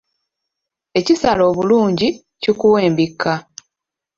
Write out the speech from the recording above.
Ekisala obulungi, kikuwa embikka.